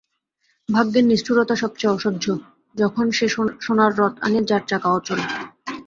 ভাগ্যের নিষ্ঠুরতা সব চেয়ে অসহ্য, যখন সে সোনার রথ আনে যার চাকা অচল।